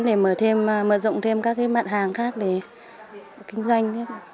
để mở rộng thêm các mạng hàng khác để kinh doanh